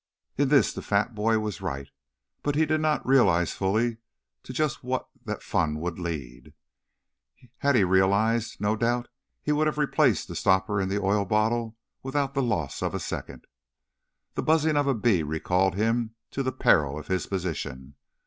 In this the fat boy was right, though he did not realize fully to just what that fun would lead. Had he realized, no doubt he would have replaced the stopper in the oil bottle without the loss of a second. The buzzing of a bee recalled him to the peril of his position.